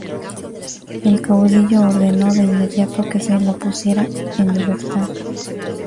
El caudillo ordenó de inmediato que se lo pusiera en libertad.